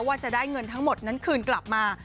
ว่าจะได้เงินทั้งหมดนั้นคืนกลับมา